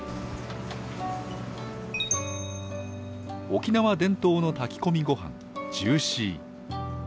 沖縄伝統の炊き込みごはん、ジューシー。